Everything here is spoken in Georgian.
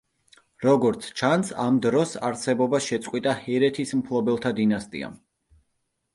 როგორც ჩანს, ამ დროს არსებობა შეწყვიტა ჰერეთის მფლობელთა დინასტიამ.